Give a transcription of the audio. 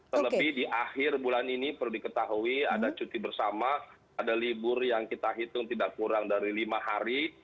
terlebih di akhir bulan ini perlu diketahui ada cuti bersama ada libur yang kita hitung tidak kurang dari lima hari